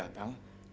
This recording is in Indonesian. dan kita akan mencari